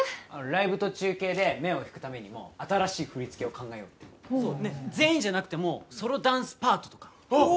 ライブと中継で目を引くためにも新しい振付を考えようって全員じゃなくてもソロダンスパートとか・おお！